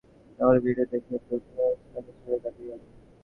তাহাকে ভিড়ের মধ্যে দেখিয়া লোকে তাহার নামে ছড়া কাটিতে লাগিল।